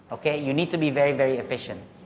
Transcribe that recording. oke anda harus sangat efisien